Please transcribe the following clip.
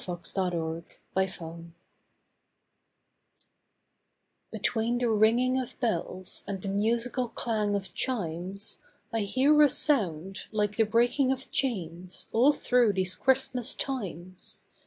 THE BREAKING OF CHAINS Between the ringing of bells and the musical clang of chimes I hear a sound like the breaking of chains, all through these Christmas times.